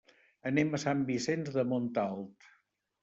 Anem a Sant Vicenç de Montalt.